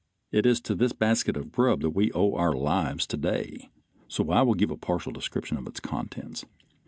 It is to this basket of grub that we all owe our lives to day, so I will give a partial description of the contents.